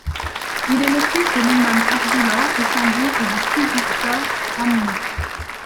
Il est le fils de l'imam Abdullah Efendi et de Sıdıka Hanım.